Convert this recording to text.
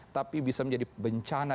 tapi bisa menjadi bencana